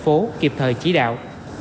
phố kịp thời chỉ đạo